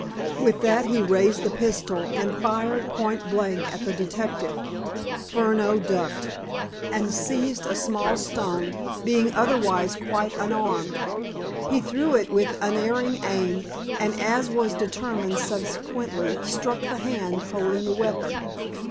With that he raised the pistol, and fired point blank at the detective. Furneaux ducked, and seized a small stone, being otherwise quite unarmed. He threw it with unerring aim, and, as was determined subsequently, struck the hand holding the weapon.